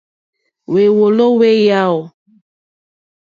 Hwèwòló hwé yáò.